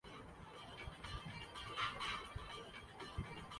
تاریخ آخرکار اس کے ساتھ نہیں ہے